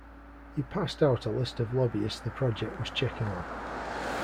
He passed out a list of lobbyists the project was checking on.